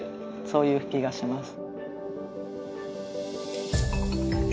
そういう気がします。